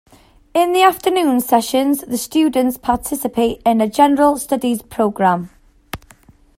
In the afternoon session, the students participate in a general studies program.